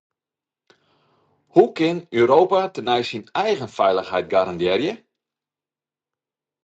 Hoe kin Europa tenei syn eigen feilichheid garandearje?